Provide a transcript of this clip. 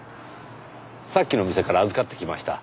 さっきの店から預かってきました。